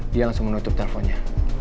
dia langsung menutup teleponnya